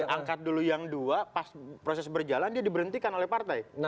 angkat dulu yang dua pas proses berjalan dia diberhentikan oleh partai